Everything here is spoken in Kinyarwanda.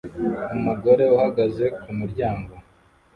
Umugore uhagaze kumuryango